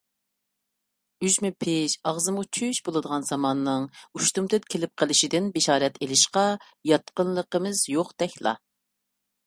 «ئۈجمە پىش، ئاغزىمغا چۈش» بولىدىغان زاماننىڭ ئۇشتۇمتۇت كېلىپ قېلىشىدىن بېشارەت ئېلىشقا ياتقىنلىقىمىز يوقتەكلا.